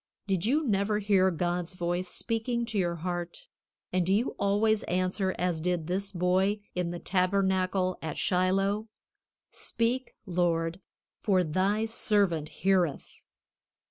Did you never hear God's voice speaking to your heart, and do you always answer as did this boy in the tabernacle at Shiloh: "Speak, Lord, for thy servant heareth"?